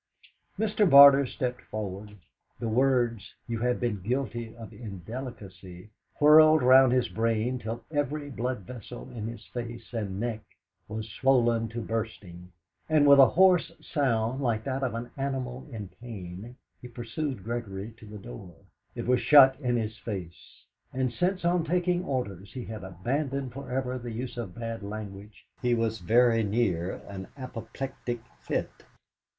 Mr. Barter stepped forward. The words, "You have been guilty of indelicacy," whirled round his brain till every blood vessel in his face and neck was swollen to bursting, and with a hoarse sound like that of an animal in pain he pursued Gregory to the door. It was shut in his face. And since on taking Orders he had abandoned for ever the use of bad language, he was very near an apoplectic fit.